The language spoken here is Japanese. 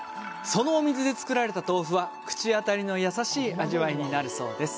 そのお水で作られた豆腐は口当たりの優しい味わいになるんです。